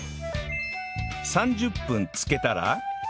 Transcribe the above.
３０分つけたら